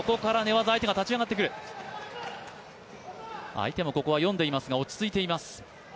相手もここは読んでいますが落ち着いています。